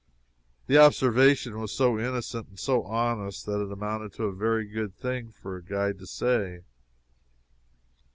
The observation was so innocent and so honest that it amounted to a very good thing for a guide to say.